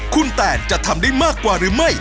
คุณแตนจะทำได้มากกว่าหรือไม่